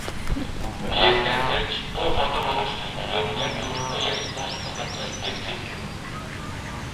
Биеэ сайн барьж, дуу хоолойгоо өөрчлөлгүйгээр яг нөхрийнхөө ярьж дууссан газраас лекцээ эхлэв.